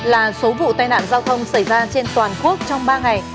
sáu mươi tám là số vụ tai nạn giao thông xảy ra trên toàn quốc trong ba ngày